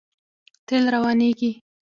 تېل روانېږي.